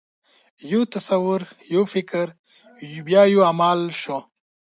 یو تصور، یو فکر، بیا یو عمل شو.